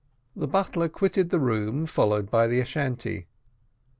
The butler quitted the room, followed by the Ashantee.